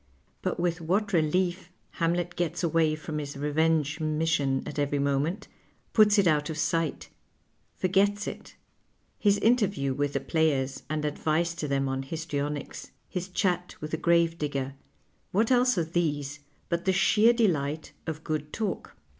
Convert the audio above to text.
But with what relief Hamlet gets away fnnn his revenge " mission " at every moment, puts it out of sight, forget.s it ! His intcr\iew with the |)layers and advice to them on histrionics, his chat with the gravedigger, what else arc these but the sheer delight of good talk